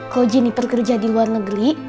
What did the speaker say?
kalau jeniper kerja di luar negeri